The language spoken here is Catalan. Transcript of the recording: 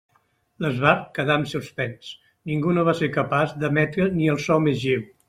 L'esbart quedà en suspens, ningú no va ser capaç d'emetre ni el so més lleu.